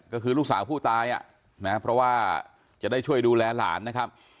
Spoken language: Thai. ก็คือลูกสาวผู้ตายอ่ะนะเพราะว่าจะได้ช่วยดูแลหลานนะครับ